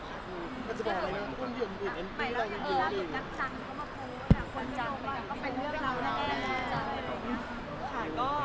ค่ะก็เรื่องนี้ขออนุญาต